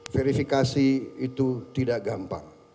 verifikasi itu tidak gampang